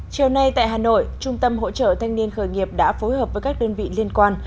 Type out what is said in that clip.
chiều nay tại hà nội trung tâm hỗ trợ thanh niên khởi nghiệp đã phối hợp với các đơn vị liên quan